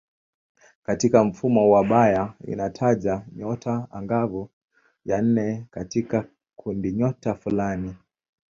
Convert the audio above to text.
Katika mfumo wa Bayer inataja nyota angavu ya nne katika kundinyota fulani.